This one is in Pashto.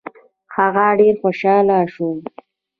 هغه ډېر خوشاله شو.